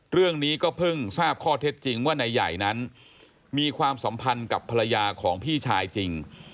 เรื่องนี้ก็เพิ่งทราบข้อเท็จจริงว่านายใหญ่นั้นมีความสัมพันธ์กับภรรยาของพี่ชายจริง